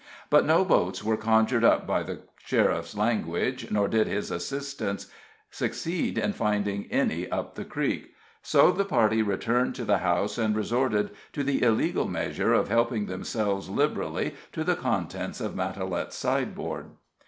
But no boats were conjured up by the sheriff's language, nor did his assistance succeed in finding any up the creek; so the party returned to the house, and resorted to the illegal measure of helping themselves liberally to the contents of Matalette's sideboard.